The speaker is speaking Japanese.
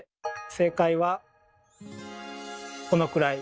正解はこのくらい。